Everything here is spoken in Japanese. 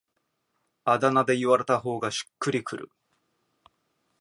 あだ名で言われた方がしっくりくる